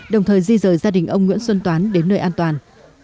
đồng thời di rời gia đình ông nguyễn xuân toán đến nơi an toàn